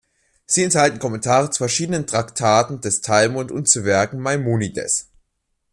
Sie enthalten Kommentare zu verschiedenen Traktaten des Talmud und zu Werken Maimonides’.